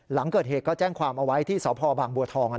หลังเกิดเหตุก็แจ้งความเอาไว้ที่สพบางบัวทอง